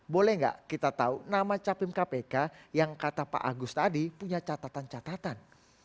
boleh nggak kita tahu nama capim kpk yang kata pak agus tadi punya catatan catatan